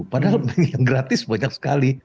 padahal yang gratis banyak sekali